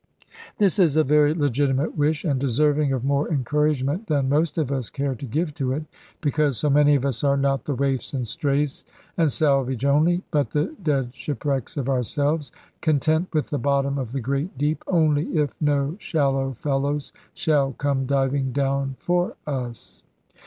This is a very legitimate wish, and deserving of more encouragement than most of us care to give to it; because so many of us are not the waifs and strays, and salvage only, but the dead shipwrecks of ourselves; content with the bottom of the great deep, only if no shallow fellows shall come diving down for us.